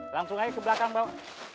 langsung aja ke belakang bapak